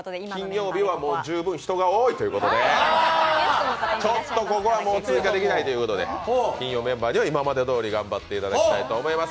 金曜日は今、十分人が多いということでちょっと追加できないということで金曜メンバーには今までどおり頑張っていただきたいと思います。